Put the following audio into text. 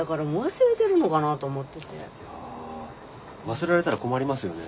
忘れられたら困りますよね？